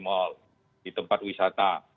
mall di tempat wisata